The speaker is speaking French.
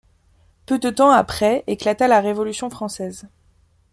Peu de temps après éclata la Révolution française.